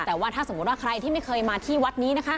แต่ว่าถ้าสมมุติว่าใครที่ไม่เคยมาที่วัดนี้นะคะ